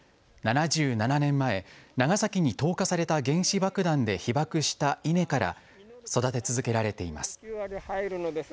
７７年前、長崎に投下された原子爆弾で被爆したイネから育て続けられています。